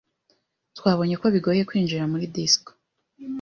Twabonye ko bigoye kwinjira muri disco.